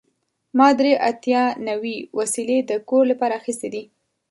ما درې اتیا نوې وسیلې د کور لپاره اخیستې دي.